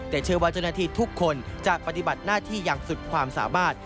แต่เชื่อว่าเจ้าหน้าที่ทุกคนจะปฏิบัติหน้าที่อย่างสุดความสามารถ